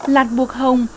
lạt buộc hồng